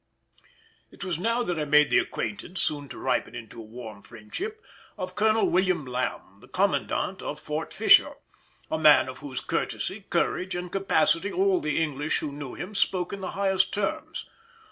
It was now that I made the acquaintance—soon to ripen into a warm friendship—of Colonel William Lamb, the Commandant of Fort Fisher,—a man of whose courtesy, courage, and capacity all the English who knew him spoke in the highest terms.